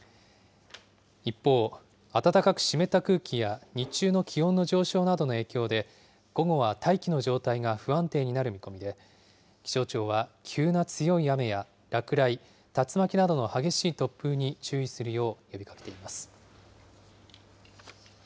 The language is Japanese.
一方、暖かく湿った空気や日中の気温の上昇などの影響で、午後は大気の状態が不安定になる見込みで、気象庁は急な強い雨や落雷、竜巻などの激しい突風に注意するよう呼びかけています。